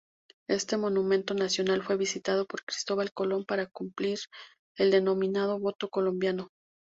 Este Monumento Nacional fue visitado por Cristóbal Colón para cumplir el denominado voto colombino.